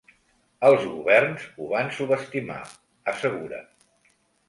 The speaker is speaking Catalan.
Els governs ho van subestimar, assegura.